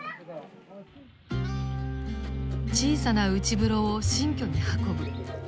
小さな内風呂を新居に運ぶ。